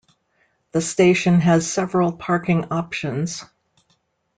The station has several parking options.